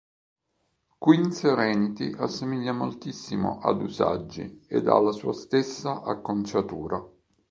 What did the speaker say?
Queen Serenity somiglia moltissimo ad Usagi, ed ha la sua stessa acconciatura.